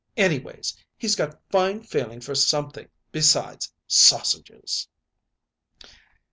Anyways, he's got fine feeling for something besides sausages."